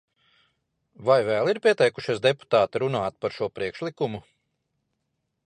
Vai vēl ir pieteikušies deputāti runāt par šo priekšlikumu?